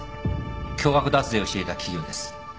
巨額脱税をしていた企業です。